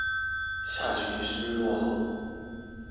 下旬是日落後